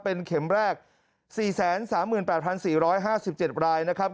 เป็นเข็มแรก๔๓๘๔๕๗รายนะครับ